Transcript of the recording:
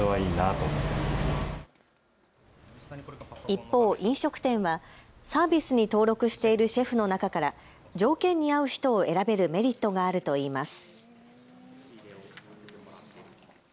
一方、飲食店はサービスに登録しているシェフの中から条件に合う人を選べるメリットがあるといいます。